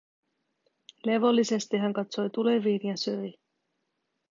Levollisesti hän katsoi tuleviin ja söi.